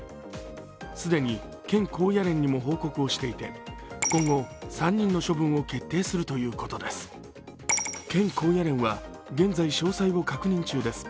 既に県高野連にも報告をしていて今後、３人の処分を決定するということです。